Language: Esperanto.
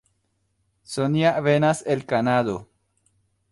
Sonja venas el Kanado.